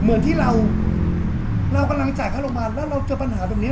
เหมือนที่เราเรากำลังจ่ายค่าโรงพยาบาลแล้วเราเจอปัญหาแบบนี้